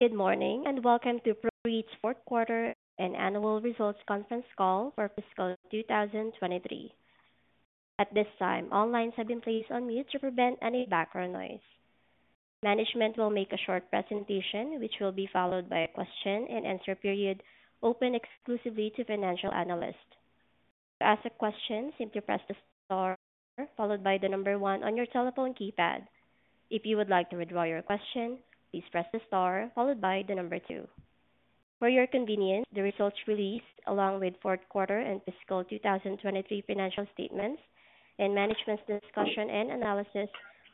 Good morning and welcome to PROREIT 4th Quarter and Annual Results Conference Call for Fiscal 2023. At this time, all lines have been placed on mute to prevent any background noise. Management will make a short presentation which will be followed by a question-and-answer period open exclusively to financial analysts. To ask a question, simply press the star followed by the 1 on your telephone keypad. If you would like to withdraw your question, please press the star followed by the 2. For your convenience, the results released along with 4th Quarter and Fiscal 2023 financial statements and management's discussion and analysis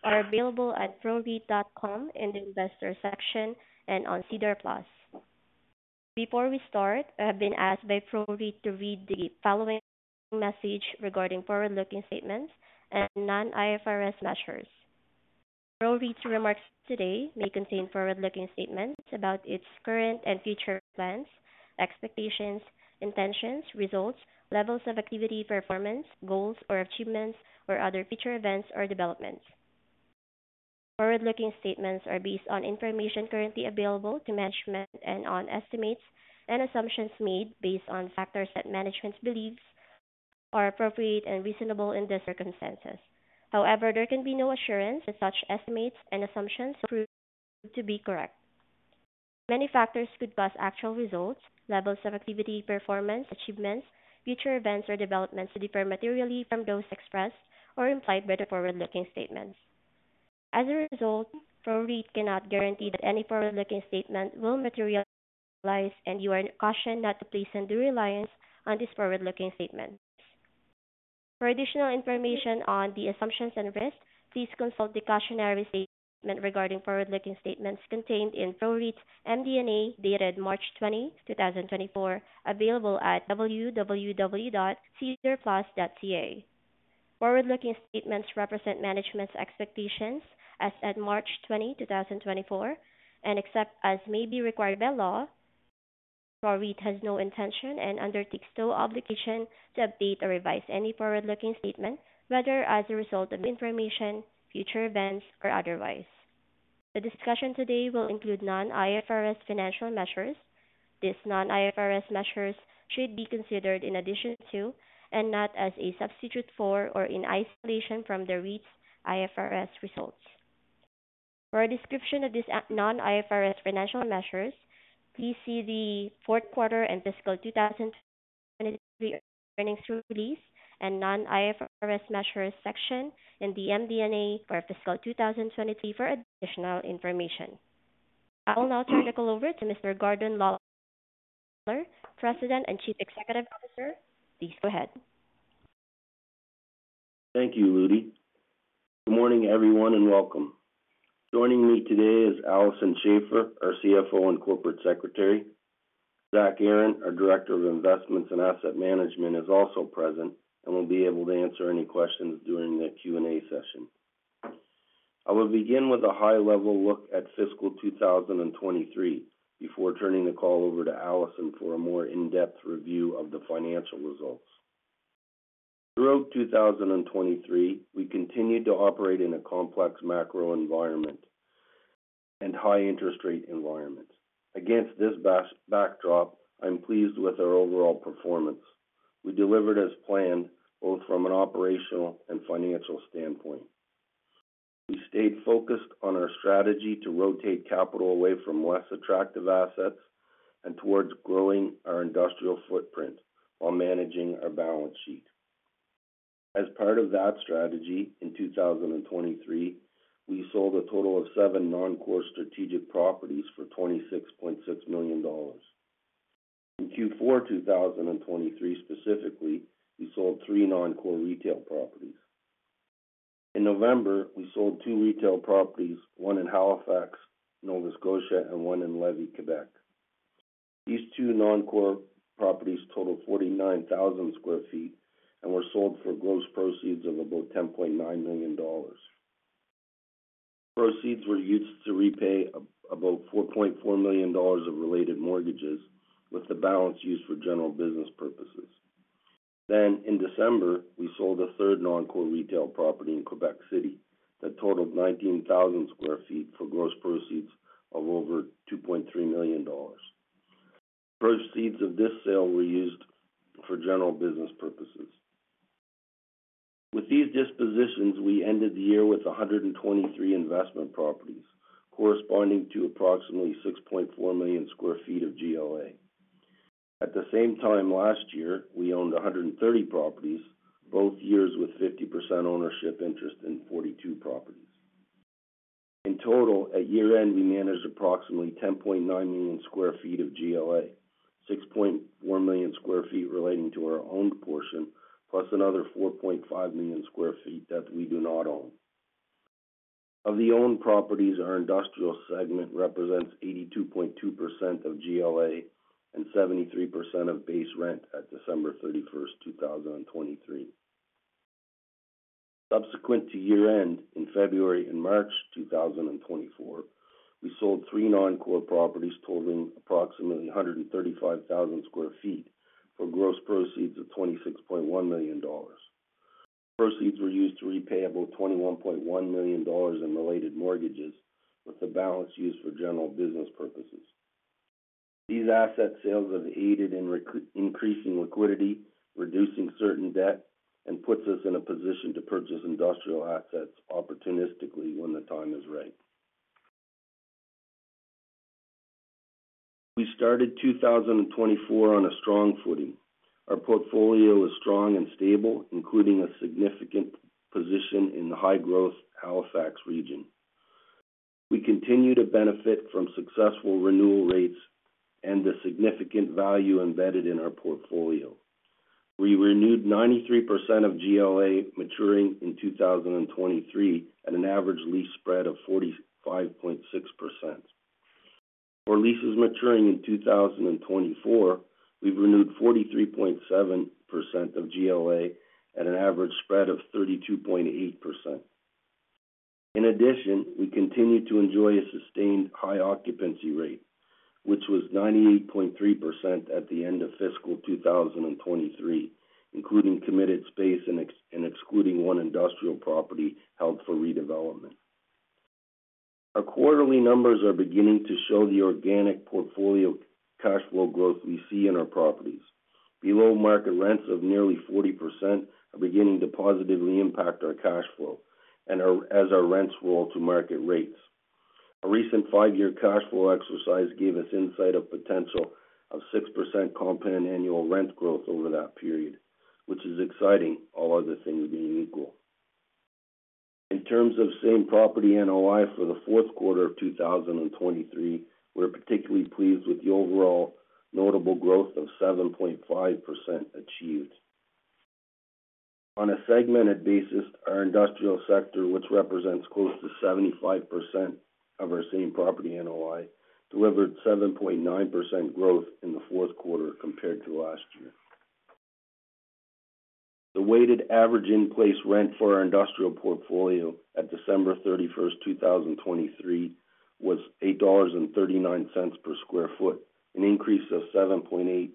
are available at proreit.com in the Investor section and on SEDAR+. Before we start, I have been asked by PROREIT to read the following message regarding forward-looking statements and non-IFRS measures. PROREIT's remarks today may contain forward-looking statements about its current and future plans, expectations, intentions, results, levels of activity, performance, goals or achievements, or other future events or developments. Forward-looking statements are based on information currently available to management and on estimates and assumptions made based on factors that management believes are appropriate and reasonable in these circumstances. However, there can be no assurance that such estimates and assumptions prove to be correct. Many factors could cause actual results, levels of activity, performance, achievements, future events or developments to differ materially from those expressed or implied by the forward-looking statements. As a result, PROREIT cannot guarantee that any forward-looking statement will materialize and you are cautioned not to place undue reliance on these forward-looking statements. For additional information on the assumptions and risks, please consult the cautionary statement regarding forward-looking statements contained in PROREIT's MD&A dated March 20, 2024, available at www.sedarplus.ca. Forward-looking statements represent management's expectations as at March 20, 2024, and except as may be required by law, PROREIT has no intention and undertakes no obligation to update or revise any forward-looking statement, whether as a result of new information, future events, or otherwise. The discussion today will include non-IFRS financial measures. These non-IFRS measures should be considered in addition to and not as a substitute for or in isolation from the PROREIT's IFRS results. For a description of these non-IFRS financial measures, please see the 4th Quarter and Fiscal 2023 earnings release and non-IFRS measures section in the MD&A for Fiscal 2023 for additional information. I will now turn the call over to Mr. Gordon Lawlor, President and Chief Executive Officer. Please go ahead. Thank you, Ludy. Good morning, everyone, and welcome. Joining me today is Alison Schafer, our CFO and Corporate Secretary. Zach Aaron, our Director of Investments and Asset Management, is also present and will be able to answer any questions during the Q&A session. I will begin with a high-level look at Fiscal 2023 before turning the call over to Alison for a more in-depth review of the financial results. Throughout 2023, we continued to operate in a complex macro environment and high-interest rate environments. Against this backdrop, I'm pleased with our overall performance. We delivered as planned, both from an operational and financial standpoint. We stayed focused on our strategy to rotate capital away from less attractive assets and towards growing our industrial footprint while managing our balance sheet. As part of that strategy, in 2023, we sold a total of seven non-core strategic properties for 26.6 million dollars. In Q4 2023 specifically, we sold 3 non-core retail properties. In November, we sold 2 retail properties, 1 in Halifax, Nova Scotia, and 1 in Lévis, Quebec. These 2 non-core properties totaled 49,000 sq ft and were sold for gross proceeds of about 10.9 million dollars. Proceeds were used to repay about 4.4 million dollars of related mortgages, with the balance used for general business purposes. Then, in December, we sold a third non-core retail property in Quebec City that totaled 19,000 sq ft for gross proceeds of over 2.3 million dollars. Proceeds of this sale were used for general business purposes. With these dispositions, we ended the year with 123 investment properties, corresponding to approximately 6.4 million sq ft of GLA. At the same time last year, we owned 130 properties, both years with 50% ownership interest in 42 properties. In total, at year-end, we managed approximately 10.9 million sq ft of GLA, 6.4 million sq ft relating to our owned portion, plus another 4.5 million sq ft that we do not own. Of the owned properties, our industrial segment represents 82.2% of GLA and 73% of base rent at December 31st, 2023. Subsequent to year-end, in February and March 2024, we sold three non-core properties totaling approximately 135,000 sq ft for gross proceeds of 26.1 million dollars. Proceeds were used to repay about 21.1 million dollars in related mortgages, with the balance used for general business purposes. These asset sales have aided in increasing liquidity, reducing certain debt, and put us in a position to purchase industrial assets opportunistically when the time is right. We started 2024 on a strong footing. Our portfolio is strong and stable, including a significant position in the high-growth Halifax region. We continue to benefit from successful renewal rates and the significant value embedded in our portfolio. We renewed 93% of GLA maturing in 2023 at an average lease spread of 45.6%. For leases maturing in 2024, we've renewed 43.7% of GLA at an average spread of 32.8%. In addition, we continue to enjoy a sustained high occupancy rate, which was 98.3% at the end of fiscal 2023, including committed space and excluding one industrial property held for redevelopment. Our quarterly numbers are beginning to show the organic portfolio cash flow growth we see in our properties. Below-market rents of nearly 40% are beginning to positively impact our cash flow as our rents roll to market rates. A recent five-year cash flow exercise gave us insight of potential of 6% compound annual rent growth over that period, which is exciting, all other things being equal. In terms of same property NOI for the fourth quarter of 2023, we're particularly pleased with the overall notable growth of 7.5% achieved. On a segmented basis, our industrial sector, which represents close to 75% of our same property NOI, delivered 7.9% growth in the fourth quarter compared to last year. The weighted average in-place rent for our industrial portfolio at December 31st, 2023, was 8.39 dollars per sq ft, an increase of 7.8%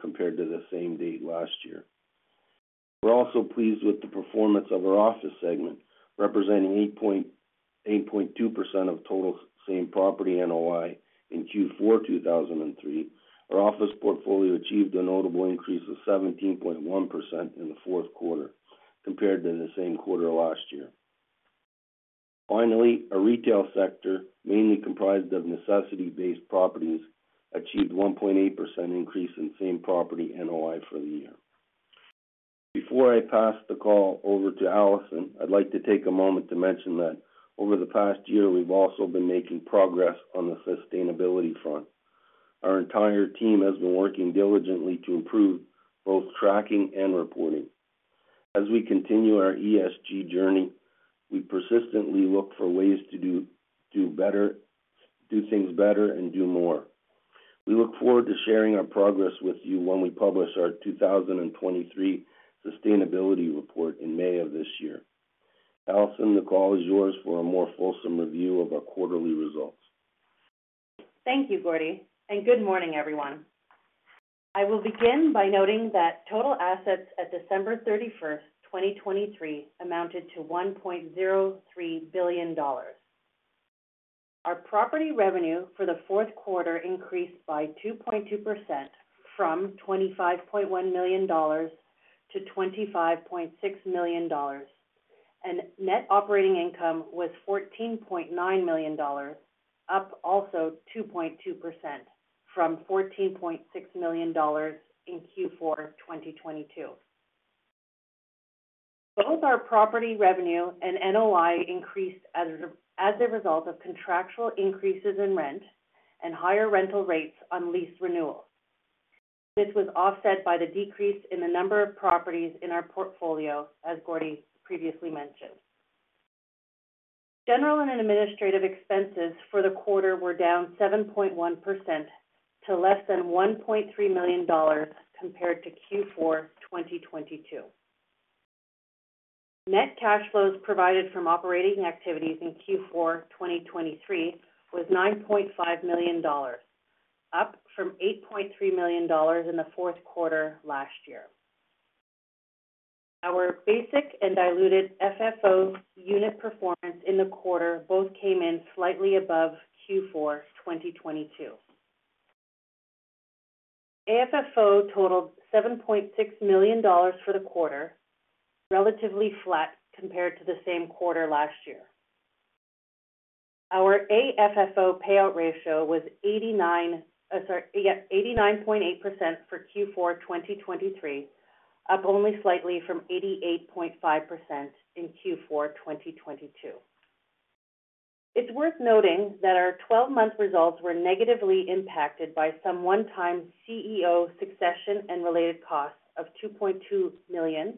compared to the same date last year. We're also pleased with the performance of our office segment, representing 8.2% of total same property NOI in Q4 2023. Our office portfolio achieved a notable increase of 17.1% in the fourth quarter compared to the same quarter last year. Finally, our retail sector, mainly comprised of necessity-based properties, achieved 1.8% increase in same property NOI for the year. Before I pass the call over to Alison, I'd like to take a moment to mention that over the past year, we've also been making progress on the sustainability front. Our entire team has been working diligently to improve both tracking and reporting. As we continue our ESG journey, we persistently look for ways to do things better and do more. We look forward to sharing our progress with you when we publish our 2023 sustainability report in May of this year. Alison, the call is yours for a more fulsome review of our quarterly results. Thank you, Gordy, and good morning, everyone. I will begin by noting that total assets at December 31st, 2023, amounted to 1.03 billion dollars. Our property revenue for the fourth quarter increased by 2.2% from 25.1 million dollars to 25.6 million dollars, and net operating income was 14.9 million dollars, up also 2.2% from 14.6 million dollars in Q4 2022. Both our property revenue and NOI increased as a result of contractual increases in rent and higher rental rates on lease renewal. This was offset by the decrease in the number of properties in our portfolio, as Gordy previously mentioned. General and administrative expenses for the quarter were down 7.1% to less than 1.3 million dollars compared to Q4 2022. Net cash flows provided from operating activities in Q4 2023 was 9.5 million dollars, up from 8.3 million dollars in the fourth quarter last year. Our basic and diluted FFO unit performance in the quarter both came in slightly above Q4 2022. AFFO totaled 7.6 million dollars for the quarter, relatively flat compared to the same quarter last year. Our AFFO payout ratio was 89.8% for Q4 2023, up only slightly from 88.5% in Q4 2022. It's worth noting that our 12-month results were negatively impacted by some one-time CEO succession and related costs of 2.2 million,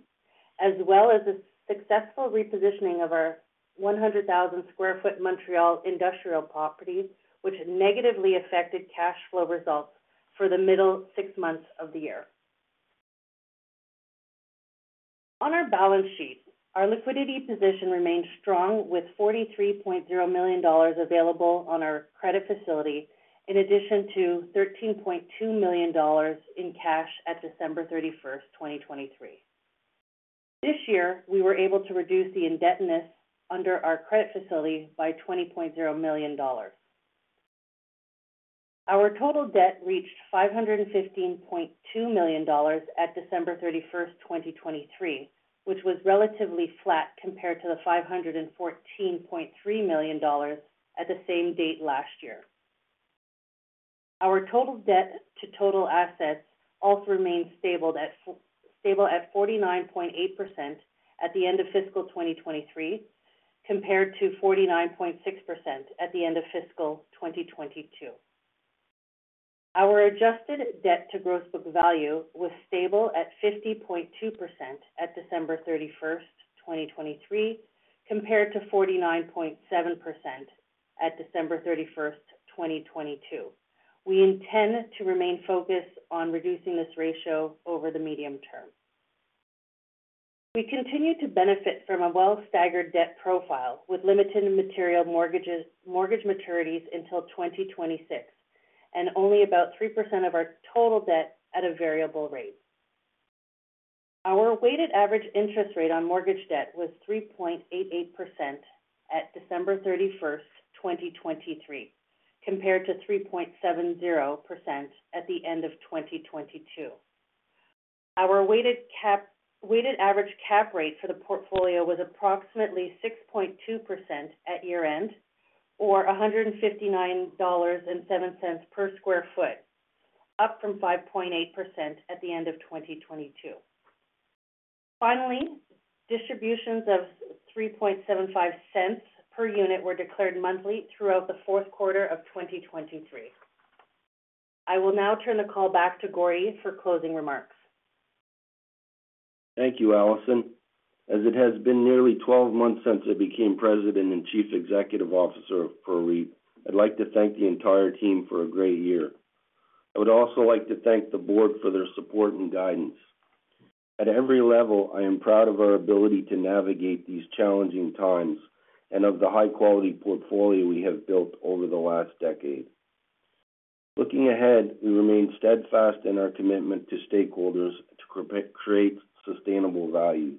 as well as the successful repositioning of our 100,000 sq ft Montreal industrial property, which negatively affected cash flow results for the middle six months of the year. On our balance sheet, our liquidity position remained strong, with 43.0 million dollars available on our credit facility, in addition to 13.2 million dollars in cash at December 31st, 2023. This year, we were able to reduce the indebtedness under our credit facility by 20.0 million dollars. Our total debt reached 515.2 million dollars at December 31st, 2023, which was relatively flat compared to the 514.3 million dollars at the same date last year. Our total debt to total assets also remained stable at 49.8% at the end of Fiscal 2023 compared to 49.6% at the end of Fiscal 2022. Our adjusted debt to gross book value was stable at 50.2% at December 31st, 2023, compared to 49.7% at December 31st, 2022. We intend to remain focused on reducing this ratio over the medium term. We continue to benefit from a well-staggered debt profile with limited mortgage maturities until 2026 and only about 3% of our total debt at a variable rate. Our weighted average interest rate on mortgage debt was 3.88% at December 31st, 2023, compared to 3.70% at the end of 2022. Our weighted average cap rate for the portfolio was approximately 6.2% at year-end or 159.07 dollars per sq ft, up from 5.8% at the end of 2022. Finally, distributions of 0.03 per unit were declared monthly throughout the fourth quarter of 2023. I will now turn the call back to Gordy for closing remarks. Thank you, Alison. As it has been nearly 12 months since I became President and Chief Executive Officer of PROREIT, I'd like to thank the entire team for a great year. I would also like to thank the board for their support and guidance. At every level, I am proud of our ability to navigate these challenging times and of the high-quality portfolio we have built over the last decade. Looking ahead, we remain steadfast in our commitment to stakeholders to create sustainable value.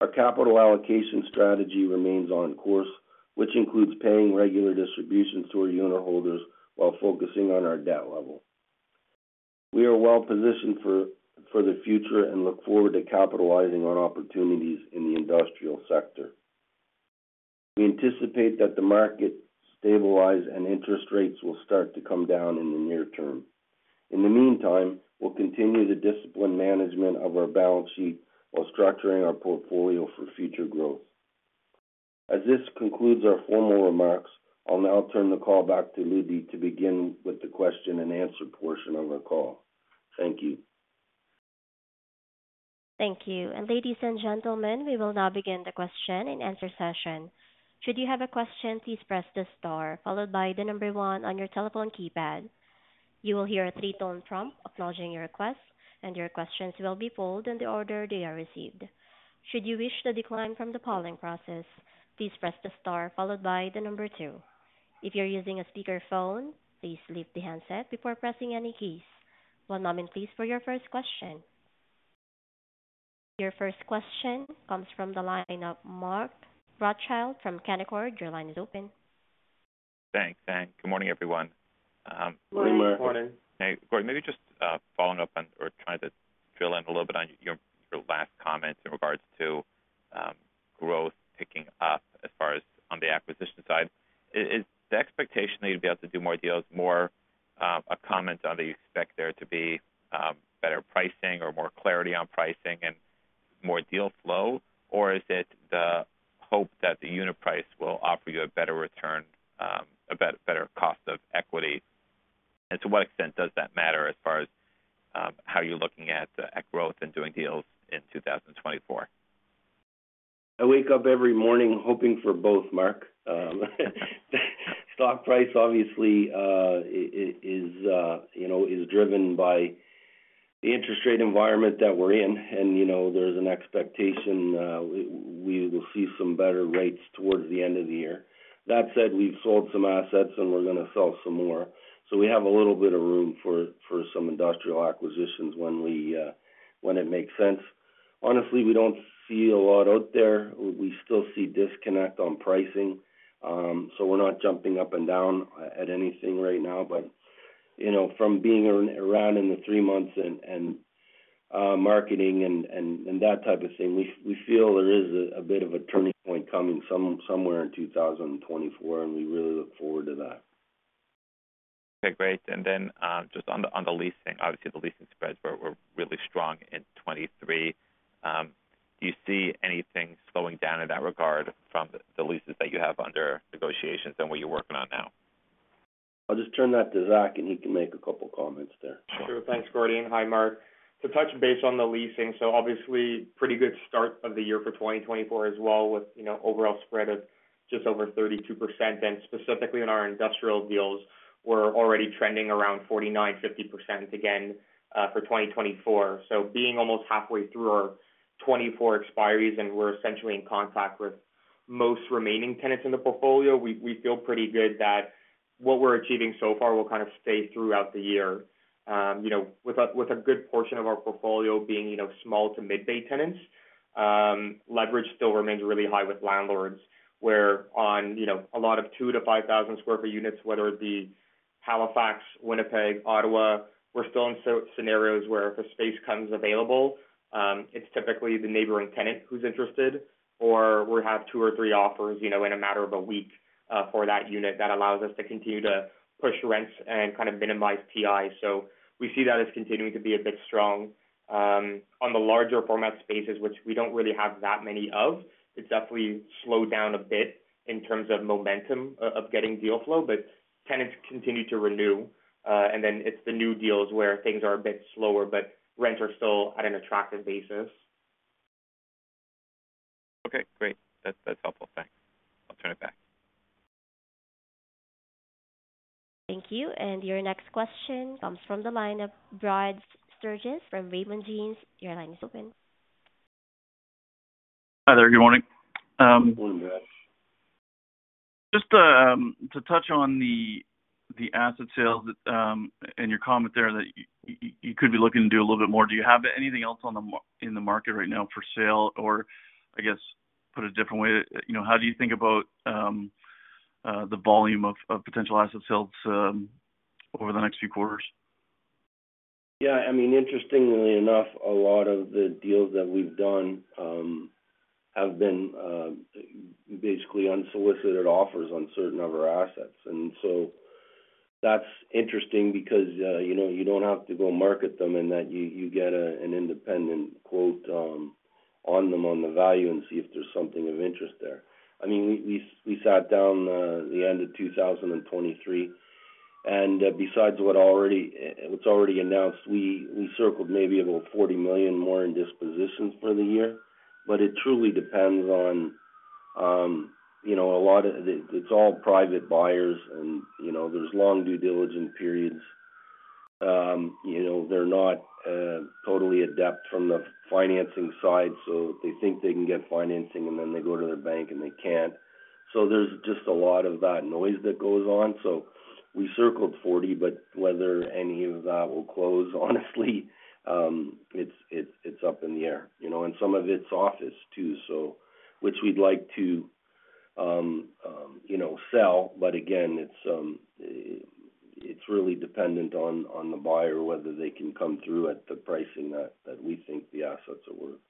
Our capital allocation strategy remains on course, which includes paying regular distributions to our unitholders while focusing on our debt level. We are well positioned for the future and look forward to capitalizing on opportunities in the industrial sector. We anticipate that the market stabilized and interest rates will start to come down in the near term. In the meantime, we'll continue the disciplined management of our balance sheet while structuring our portfolio for future growth. As this concludes our formal remarks, I'll now turn the call back to Ludy to begin with the question and answer portion of our call. Thank you. Thank you. Ladies and gentlemen, we will now begin the question and answer session. Should you have a question, please press the star followed by the number 1 on your telephone keypad. You will hear a 3-tone prompt acknowledging your request, and your questions will be polled in the order they are received. Should you wish to decline from the polling process, please press the star followed by the number 2. If you're using a speakerphone, please leave the handset before pressing any keys. One moment, please, for your first question. Your first question comes from the line of Mark Rothschild from Canaccord. Your line is open. Thanks. Thanks. Good morning, everyone. Good morning. Hey, Gordy, maybe just following up on or trying to drill in a little bit on your last comments in regards to growth picking up as far as on the acquisition side. Is the expectation that you'd be able to do more deals, more a comment on that you expect there to be better pricing or more clarity on pricing and more deal flow, or is it the hope that the unit price will offer you a better return, a better cost of equity? And to what extent does that matter as far as how you're looking at growth and doing deals in 2024? I wake up every morning hoping for both, Mark. Stock price, obviously, is driven by the interest rate environment that we're in, and there's an expectation we will see some better rates towards the end of the year. That said, we've sold some assets, and we're going to sell some more. So we have a little bit of room for some industrial acquisitions when it makes sense. Honestly, we don't see a lot out there. We still see disconnect on pricing, so we're not jumping up and down at anything right now. But from being around in the three months and marketing and that type of thing, we feel there is a bit of a turning point coming somewhere in 2024, and we really look forward to that. Okay. Great. And then just on the leasing, obviously, the leasing spreads were really strong in 2023. Do you see anything slowing down in that regard from the leases that you have under negotiations and what you're working on now? I'll just turn that to Zach, and he can make a couple of comments there. Sure. Thanks, Gordy. And hi, Mark. To touch base on the leasing, so obviously, pretty good start of the year for 2024 as well with overall spread of just over 32%. And specifically in our industrial deals, we're already trending around 49%-50% again for 2024. So being almost halfway through our 2024 expiries and we're essentially in contact with most remaining tenants in the portfolio, we feel pretty good that what we're achieving so far will kind of stay throughout the year. With a good portion of our portfolio being small to mid-bay tenants, leverage still remains really high with landlords, where on a lot of 2,000-5,000 sq ft units, whether it be Halifax, Winnipeg, Ottawa, we're still in scenarios where if a space comes available. It's typically the neighboring tenant who's interested, or we have 2 or 3 offers in a matter of a week for that unit that allows us to continue to push rents and kind of minimize TI. So we see that as continuing to be a bit strong. On the larger format spaces, which we don't really have that many of, it's definitely slowed down a bit in terms of momentum of getting deal flow, but tenants continue to renew. And then it's the new deals where things are a bit slower, but rents are still at an attractive basis. Okay. Great. That's helpful. Thanks. I'll turn it back. Thank you. And your next question comes from the line of Brad Sturges from Raymond James. Your line is open. Hi there. Good morning. Good morning, Brad. Just to touch on the asset sales and your comment there that you could be looking to do a little bit more. Do you have anything else in the market right now for sale or, I guess, put a different way, how do you think about the volume of potential asset sales over the next few quarters? Yeah. I mean, interestingly enough, a lot of the deals that we've done have been basically unsolicited offers on certain of our assets. And so that's interesting because you don't have to go market them in that you get an independent quote on them on the value and see if there's something of interest there. I mean, we sat down the end of 2023, and besides what's already announced, we circled maybe about 40 million more in dispositions for the year. But it truly depends on a lot of it's all private buyers, and there's long due diligence periods. They're not totally adept from the financing side, so they think they can get financing, and then they go to their bank, and they can't. So there's just a lot of that noise that goes on. So we circled 40, but whether any of that will close, honestly, it's up in the air. And some of it's office too, which we'd like to sell. But again, it's really dependent on the buyer, whether they can come through at the pricing that we think the assets are worth.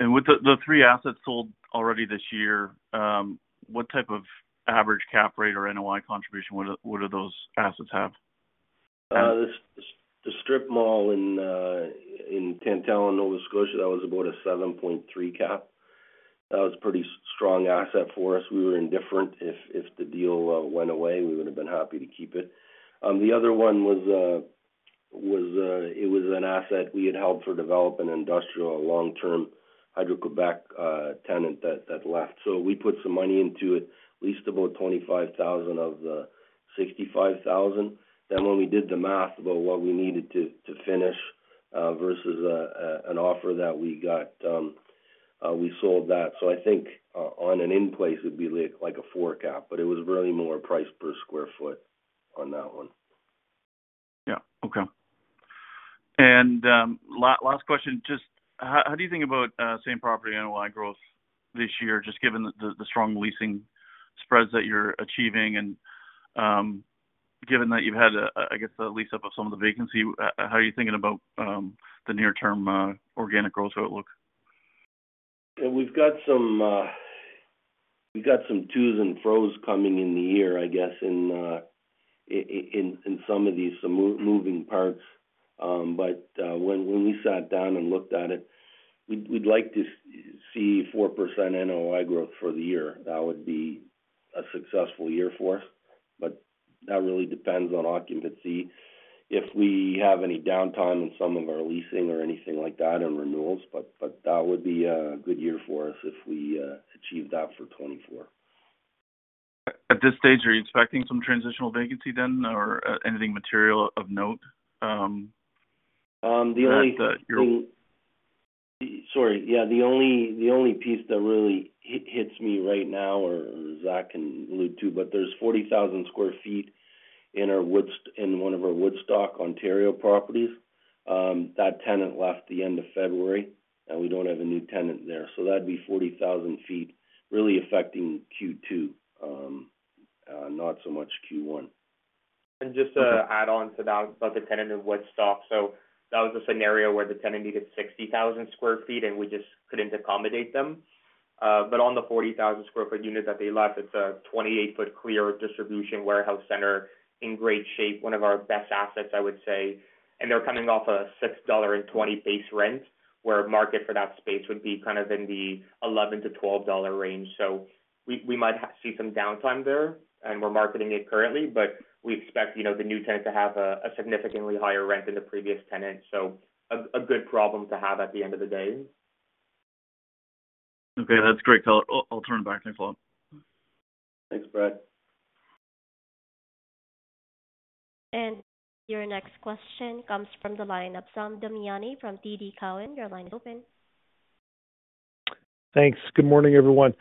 With the three assets sold already this year, what type of average cap rate or NOI contribution would those assets have? The strip mall in Tantallon, Nova Scotia, that was about a 7.3 cap. That was a pretty strong asset for us. We were indifferent. If the deal went away, we would have been happy to keep it. The other one was it was an asset we had held for development, industrial, long-term Hydro-Québec tenant that left. So we put some money into it, at least about 25,000 of the 65,000. Then when we did the math about what we needed to finish versus an offer that we got, we sold that. So I think on an in-place, it'd be like a 4 cap, but it was really more price per square foot on that one. Yeah. Okay. And last question, just how do you think about same property NOI growth this year, just given the strong leasing spreads that you're achieving and given that you've had, I guess, the lease up of some of the vacancy? How are you thinking about the near-term organic growth outlook? We've got some dos and don'ts coming in the year, I guess, in some of these, some moving parts. But when we sat down and looked at it, we'd like to see 4% NOI growth for the year. That would be a successful year for us, but that really depends on occupancy, if we have any downtime in some of our leasing or anything like that and renewals. But that would be a good year for us if we achieved that for 2024. At this stage, are you expecting some transitional vacancy then or anything material of note? Sorry. Yeah, the only piece that really hits me right now, or Zach can allude to, but there's 40,000 sq ft in one of our Woodstock, Ontario properties. That tenant left the end of February, and we don't have a new tenant there. So that'd be 40,000 sq ft really affecting Q2, not so much Q1. Just to add on to that about the tenant in Woodstock, so that was a scenario where the tenant needed 60,000 sq ft, and we just couldn't accommodate them. But on the 40,000 sq ft unit that they left, it's a 28-foot clear distribution warehouse center in great shape, one of our best assets, I would say. They're coming off a 6.20 dollar base rent, where market for that space would be kind of in the 11-12 dollar range. So we might see some downtime there, and we're marketing it currently, but we expect the new tenant to have a significantly higher rent than the previous tenant. A good problem to have at the end of the day. Okay. That's great, Zach. I'll turn it back to you, Phillip. Thanks, Brad. Your next question comes from the line of Sam Damiani from TD Cowen. Your line is open. Thanks. Good morning, everyone.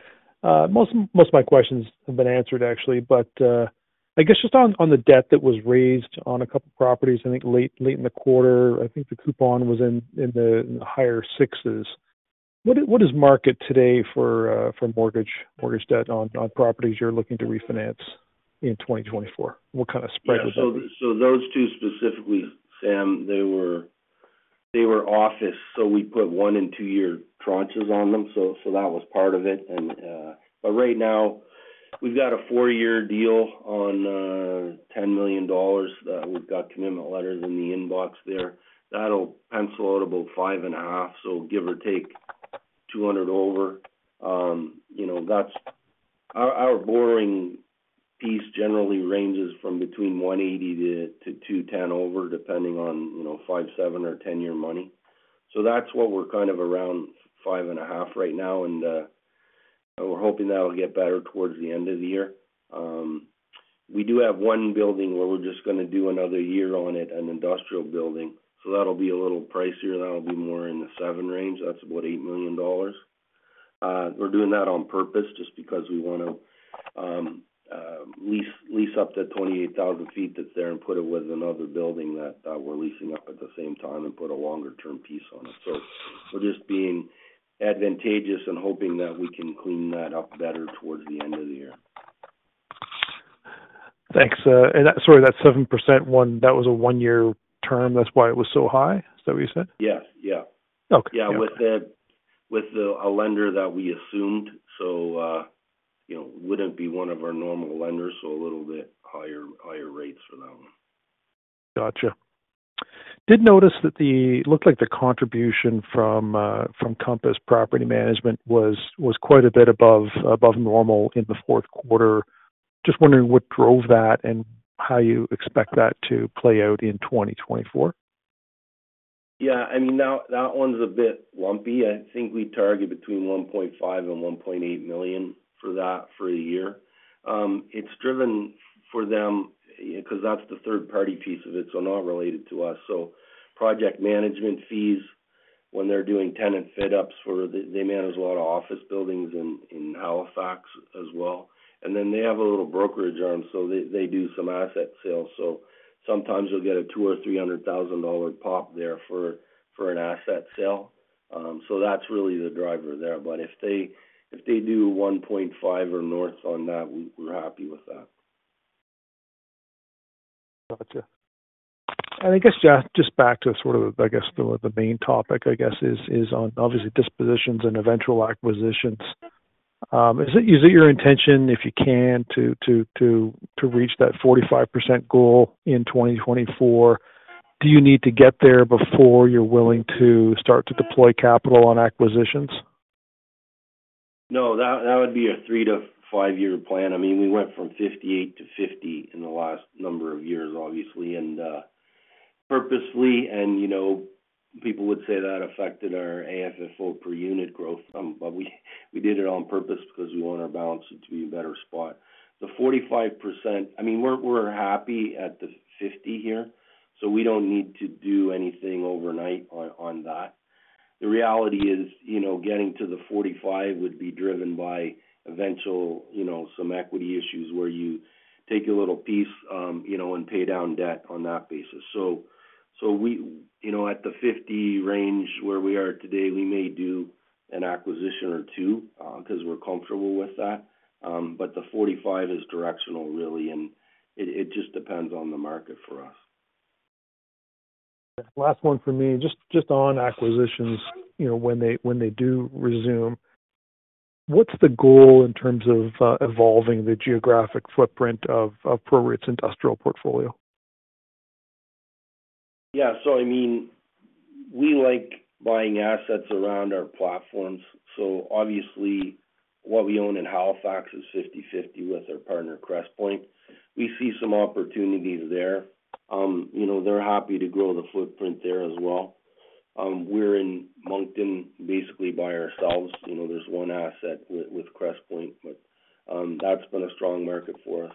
Most of my questions have been answered, actually. But I guess just on the debt that was raised on a couple of properties, I think late in the quarter, I think the coupon was in the higher sixes. What is market today for mortgage debt on properties you're looking to refinance in 2024? What kind of spread would that be? Yeah. So those two specifically, Sam, they were office. So we put 1 and 2-year tranches on them, so that was part of it. But right now, we've got a 4-year deal on 10 million dollars. We've got commitment letters in the inbox there. That'll pencil out about 5.5, so give or take 200 over. Our borrowing piece generally ranges from between 180-210 over, depending on 5, 7, or 10-year money. So that's what we're kind of around 5.5 right now, and we're hoping that'll get better towards the end of the year. We do have one building where we're just going to do another year on it, an industrial building. So that'll be a little pricier. That'll be more in the 7-range. That's about 8 million dollars. We're doing that on purpose just because we want to lease up that 28,000 sq ft that's there and put it with another building that we're leasing up at the same time and put a longer-term piece on it. So we're just being advantageous and hoping that we can clean that up better towards the end of the year. Thanks. And sorry, that 7% one, that was a one-year term. That's why it was so high. Is that what you said? Yes. Yeah. Yeah. With a lender that we assumed, so wouldn't be one of our normal lenders, so a little bit higher rates for that one. Gotcha. I did notice that it looked like the contribution from Compass Property Management was quite a bit above normal in the fourth quarter. Just wondering what drove that and how you expect that to play out in 2024? Yeah. I mean, that one's a bit lumpy. I think we target between 1.5 million and 1.8 million for that for a year. It's driven for them because that's the third-party piece of it, so not related to us. So project management fees, when they're doing tenant fit-ups for they manage a lot of office buildings in Halifax as well. And then they have a little brokerage arm, so they do some asset sales. So sometimes you'll get a 200,000 or 300,000 dollar pop there for an asset sale. So that's really the driver there. But if they do 1.5 million or north on that, we're happy with that. Gotcha. I guess, Gord, just back to sort of, I guess, the main topic, I guess, is on, obviously, dispositions and eventual acquisitions. Is it your intention, if you can, to reach that 45% goal in 2024? Do you need to get there before you're willing to start to deploy capital on acquisitions? No. That would be a 3-5-year plan. I mean, we went from 58 to 50 in the last number of years, obviously, and purposely. People would say that affected our AFFO per unit growth, but we did it on purpose because we want our balance to be in a better spot. The 45%, I mean, we're happy at the 50 here, so we don't need to do anything overnight on that. The reality is getting to the 45 would be driven by eventual some equity issues where you take a little piece and pay down debt on that basis. At the 50-range where we are today, we may do an acquisition or two because we're comfortable with that. The 45 is directional, really, and it just depends on the market for us. Last one from me, just on acquisitions, when they do resume, what's the goal in terms of evolving the geographic footprint of PROREIT's industrial portfolio? Yeah. So I mean, we like buying assets around our platforms. So obviously, what we own in Halifax is 50/50 with our partner, Crestpoint. We see some opportunities there. They're happy to grow the footprint there as well. We're in Moncton, basically, by ourselves. There's one asset with Crestpoint, but that's been a strong market for us.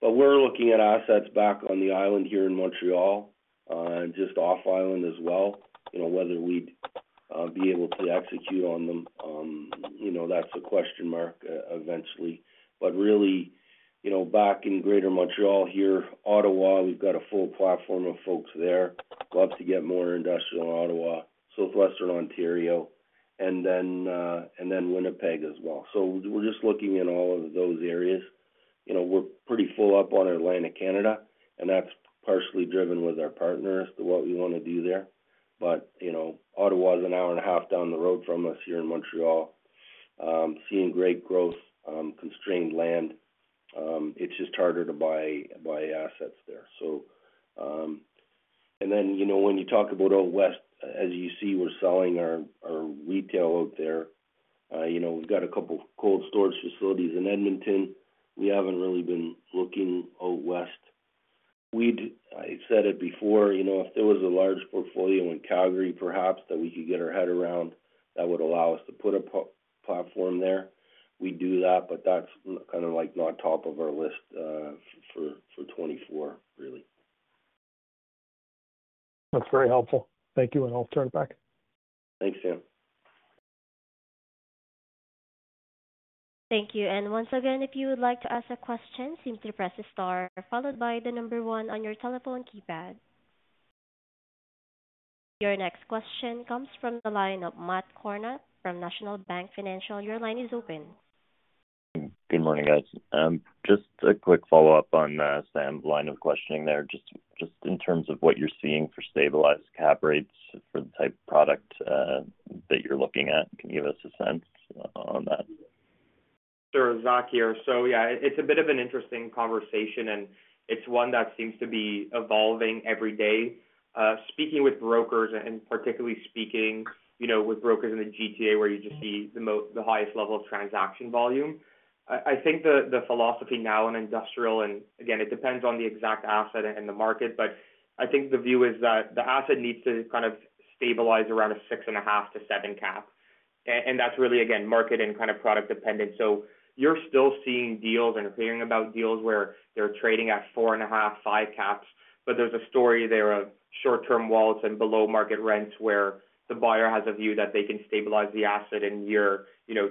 But we're looking at assets back on the island here in Montreal and just off-island as well, whether we'd be able to execute on them. That's a question mark eventually. But really, back in greater Montreal here, Ottawa, we've got a full platform of folks there. Love to get more industrial in Ottawa, southwestern Ontario, and then Winnipeg as well. So we're just looking in all of those areas. We're pretty full up on Atlantic Canada, and that's partially driven with our partners to what we want to do there. But Ottawa's an hour and a half down the road from us here in Montreal. Seeing great growth, constrained land, it's just harder to buy assets there, so. And then when you talk about out west, as you see, we're selling our retail out there. We've got a couple of cold storage facilities in Edmonton. We haven't really been looking out west. I said it before. If there was a large portfolio in Calgary, perhaps, that we could get our head around, that would allow us to put a platform there. We do that, but that's kind of not top of our list for 2024, really. That's very helpful. Thank you, and I'll turn it back. Thanks, Sam. Thank you. And once again, if you would like to ask a question, please press star followed by the number one on your telephone keypad. Your next question comes from the line of Matt Kornack from National Bank Financial. Your line is open. Good morning, guys. Just a quick follow-up on Sam's line of questioning there, just in terms of what you're seeing for stabilized cap rates for the type of product that you're looking at. Can you give us a sense on that? Sure. Zach here. So yeah, it's a bit of an interesting conversation, and it's one that seems to be evolving every day. Speaking with brokers and particularly speaking with brokers in the GTA where you just see the highest level of transaction volume, I think the philosophy now in industrial and again, it depends on the exact asset and the market, but I think the view is that the asset needs to kind of stabilize around a 6.5-7 cap. And that's really, again, market and kind of product dependent. So you're still seeing deals and hearing about deals where they're trading at 4.5-5 caps, but there's a story there, short-term leases and below-market rents where the buyer has a view that they can stabilize the asset in year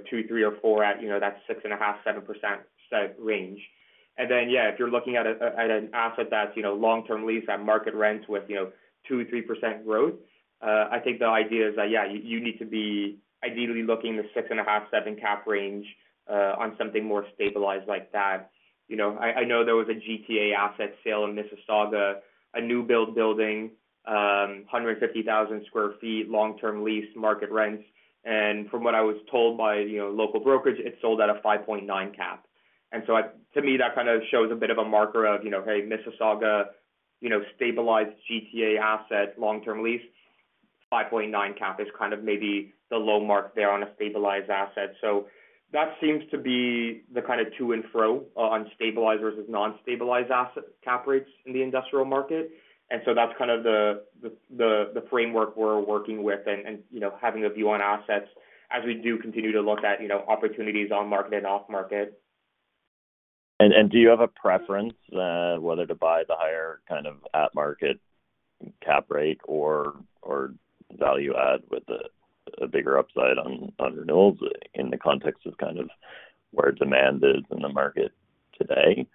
two, three, or four at that 6.5-7% range. And then yeah, if you're looking at an asset that's long-term leased at market rents with 2%-3% growth, I think the idea is that, yeah, you need to be ideally looking the 6.5-7 cap range on something more stabilized like that. I know there was a GTA asset sale in Mississauga, a new-built building, 150,000 sq ft, long-term lease, market rents. And from what I was told by local brokers, it sold at a 5.9 cap. And so to me, that kind of shows a bit of a marker of, "Hey, Mississauga, stabilized GTA asset, long-term lease, 5.9 cap is kind of maybe the low mark there on a stabilized asset." So that seems to be the kind of to and fro on stabilized versus non-stabilized cap rates in the industrial market. And so that's kind of the framework we're working with and having a view on assets as we do continue to look at opportunities on market and off-market. Do you have a preference, whether to buy the higher kind of at-market cap rate or value add with a bigger upside on renewals in the context of kind of where demand is in the market today?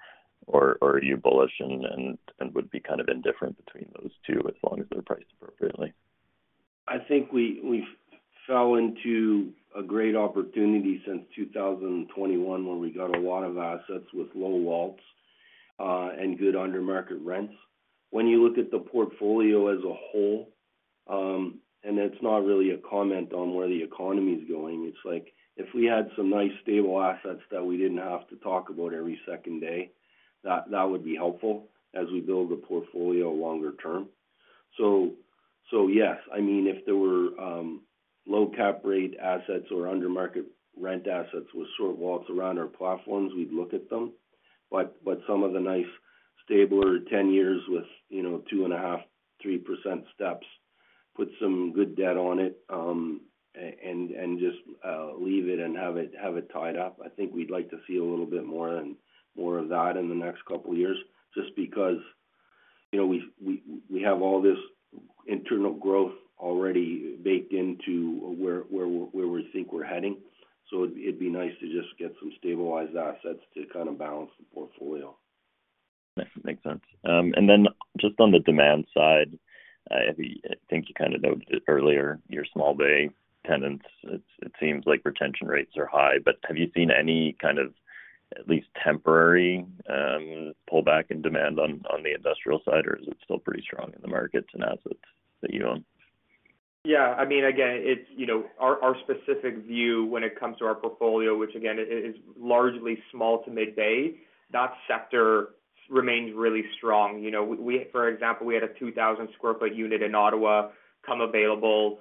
Or are you bullish and would be kind of indifferent between those two as long as they're priced appropriately? I think we fell into a great opportunity since 2021 when we got a lot of assets with low WALTs and good under-market rents. When you look at the portfolio as a whole, and it's not really a comment on where the economy's going, it's like if we had some nice, stable assets that we didn't have to talk about every second day, that would be helpful as we build the portfolio longer term. So yes, I mean, if there were low cap-rate assets or under-market rent assets with short WALTs around our platforms, we'd look at them. But some of the nice, stabler 10-year terms with 2.5%-3% steps, put some good debt on it and just leave it and have it tied up. I think we'd like to see a little bit more of that in the next couple of years just because we have all this internal growth already baked into where we think we're heading. So it'd be nice to just get some stabilized assets to kind of balance the portfolio. Makes sense. And then just on the demand side, I think you kind of noted it earlier, your small bay tenants, it seems like retention rates are high. But have you seen any kind of at least temporary pullback in demand on the industrial side, or is it still pretty strong in the markets and assets that you own? Yeah. I mean, again, our specific view when it comes to our portfolio, which again is largely small to mid-bay, that sector remains really strong. For example, we had a 2,000 sq ft unit in Ottawa come available,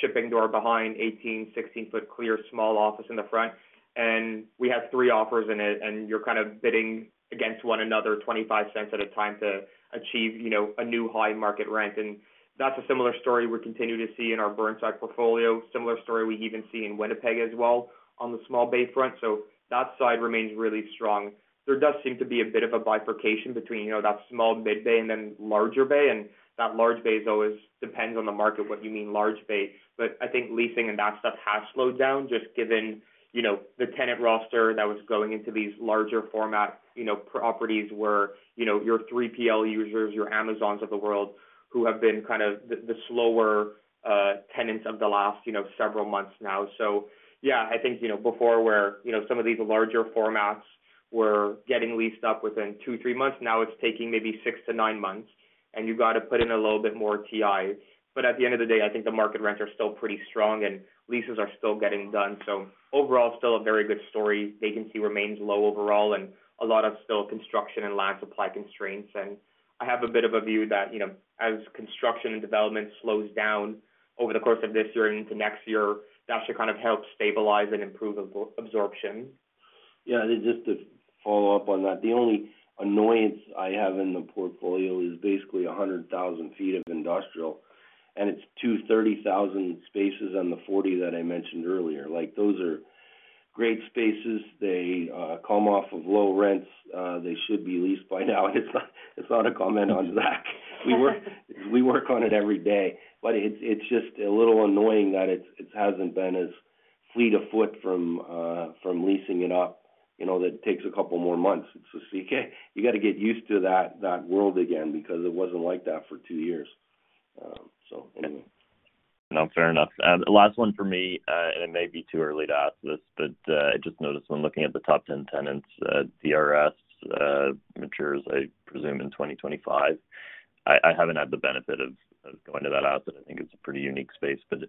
shipping door behind, 18-16-foot clear small office in the front. And we had three offers in it, and you're kind of bidding against one another 0.25 at a time to achieve a new high market rent. And that's a similar story we continue to see in our Burnside portfolio. Similar story we even see in Winnipeg as well on the small bay front. So that side remains really strong. There does seem to be a bit of a bifurcation between that small mid-bay and then larger bay. And that large bay is always depends on the market what you mean large bay. But I think leasing and that stuff has slowed down just given the tenant roster that was going into these larger format properties where your 3PL users, your Amazons of the world, who have been kind of the slower tenants of the last several months now. So yeah, I think before where some of these larger formats were getting leased up within 2-3 months, now it's taking maybe 6-9 months, and you've got to put in a little bit more TI. But at the end of the day, I think the market rents are still pretty strong, and leases are still getting done. So overall, still a very good story. Vacancy remains low overall, and a lot of still construction and land supply constraints. I have a bit of a view that as construction and development slows down over the course of this year and into next year, that should kind of help stabilize and improve absorption. Yeah. Just to follow up on that, the only annoyance I have in the portfolio is basically 100,000 sq ft of industrial, and it's 230,000 sq ft spaces on the 40 that I mentioned earlier. Those are great spaces. They come off of low rents. They should be leased by now. And it's not a comment on Zach. We work on it every day. But it's just a little annoying that it hasn't been as fleet of foot from leasing it up that takes a couple more months. It's just like, "Okay, you got to get used to that world again because it wasn't like that for two years." So anyway. Fair enough. Last one for me, and it may be too early to ask this, but I just noticed when looking at the top 10 tenants, DRS matures, I presume, in 2025. I haven't had the benefit of going to that asset. I think it's a pretty unique space. But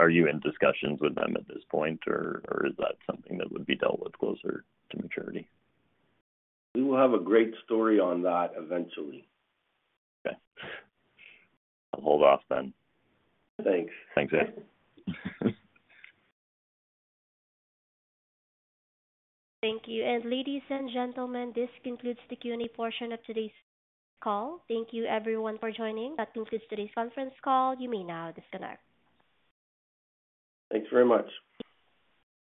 are you in discussions with them at this point, or is that something that would be dealt with closer to maturity? We will have a great story on that eventually. Okay. I'll hold off then. Thanks. Thanks, Sam. Thank you. Ladies and gentlemen, this concludes the Q&A portion of today's call. Thank you, everyone, for joining. That concludes today's conference call. You may now disconnect. Thanks very much.